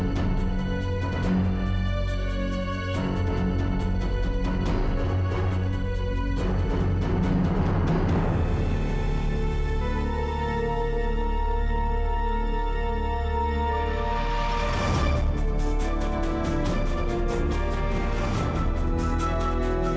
demi untuk kesembuhan kamu